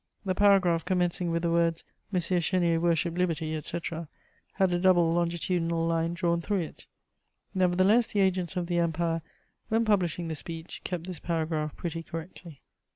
The paragraph commencing with the words, "M. Chénier worshipped liberty," etc., had a double longitudinal line drawn through it. Nevertheless, the agents of the Empire, when publishing the speech, kept this paragraph pretty correctly.